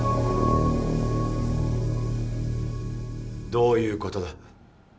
どういうことだ？